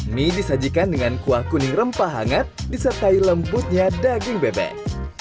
mie disajikan dengan kuah kuning rempah hangat disertai lembutnya daging bebek